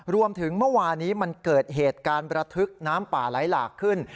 เมื่อวานี้มันเกิดเหตุการณ์ประทึกน้ำป่าไหลหลากขึ้น